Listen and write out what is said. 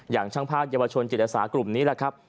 อย่างช่างภาคเยาวชนจิตรศาสตร์กลุ่มนี้